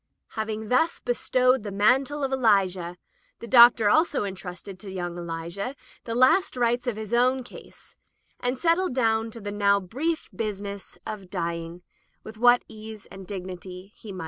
Having thus bestowed the mantle of Eli jah, the Doctor also entrusted to young Elisha the last rites of his own case, and settled down to the now brief business of dy ing with what ease and dignity he might.